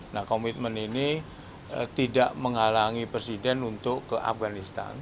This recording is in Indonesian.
nah komitmen ini tidak menghalangi presiden untuk ke afganistan